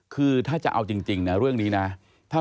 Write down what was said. คือถ้าจะเอาจริงนะเรื่องนี้นะ